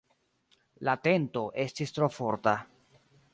La tento estis tro forta.